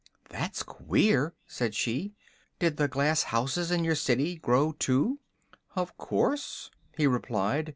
"That's queer," said she. "Did the glass houses in your city grow, too?" "Of course," he replied.